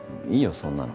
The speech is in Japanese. そんなの。